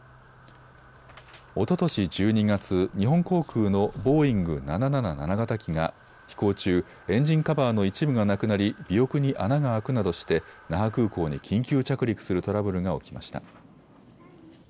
おととし１２月、日本航空のボーイング７７７型機が飛行中、エンジンカバーの一部がなくなり尾翼に穴が開くなどして那覇空港に緊急着陸するトラブルが起きました。